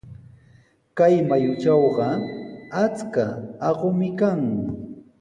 Kay mayutrawqa achka aqumi kan.